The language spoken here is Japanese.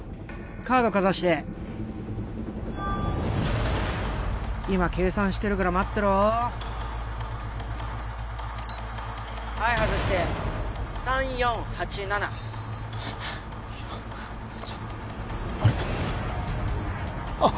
カードかざして今計算してるから待ってろはい外して３４８７３４８あれっ？